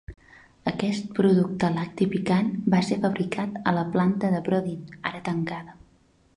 Aquest producte lacti picant va ser fabricat a la planta de Brodin, ara tancada.